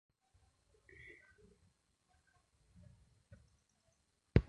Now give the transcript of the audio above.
அகப்பைக்குத் தெரியுமா அடிசிற் சுவை?